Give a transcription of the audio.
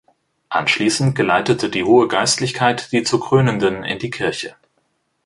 Anschließend geleitete die hohe Geistlichkeit die zu Krönenden in die Kirche.